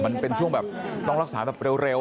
มันเป็นช่วงแบบต้องรักษาแบบเร็ว